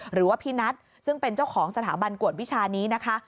หรือว่าพี่นัทซึ่งเป็นเจ้าของสถาบันกวดวิชานี้นะคะ